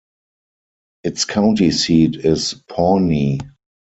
Its county seat is Pawnee.